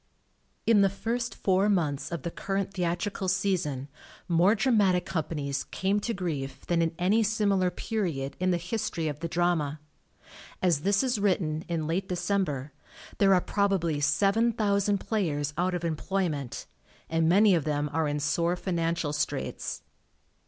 In the first four months of the current theatrical season more dramatic com panies came to grief than in any similar period in the history of the drama. As this is written (in late December) there are probably 7,000 players out of em ployment, and many of them are in sore financial straits.